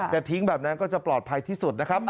ทิ้งแบบนั้นก็จะปลอดภัยที่สุดนะครับ